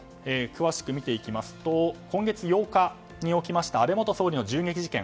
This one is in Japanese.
詳しく見ていきますと今月８日に起きました安倍元総理の銃撃事件。